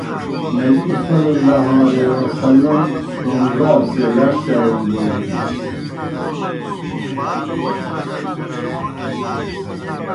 نبیؐ تومہ ڙارو سے لڇ چرَون بوجمَس۔